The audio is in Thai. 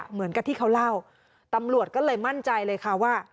เหมือนกับที่เขาเล่าตำรวจก็เลยมั่นใจเลยค่ะว่า